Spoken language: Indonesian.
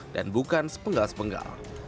dan bukan sepenggal sepenggal